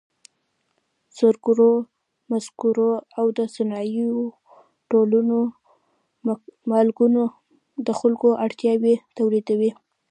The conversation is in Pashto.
زرګرو، مسګرو او د صنایعو ټولو مالکانو د خلکو اړتیاوې تولیدولې.